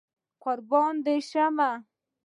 قربان دي شمه